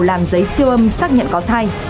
làm giấy siêu âm xác nhận có thai